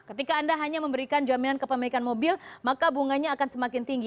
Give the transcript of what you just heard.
ketika anda hanya memberikan jaminan kepemilikan mobil maka bunganya akan semakin tinggi